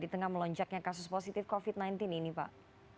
sejaknya kasus positif covid sembilan belas ini pak